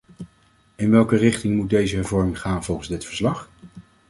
In welke richting moet deze hervorming gaan volgens dit verslag?